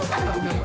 udah udah udah